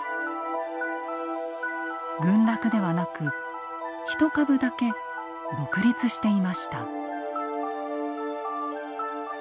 群落ではなく一株だけ独立していました。